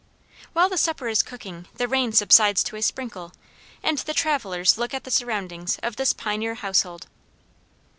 While the supper is cooking the rain subsides to a sprinkle, and the travelers look at the surroundings of this pioneer household.